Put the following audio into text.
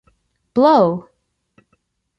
Blow!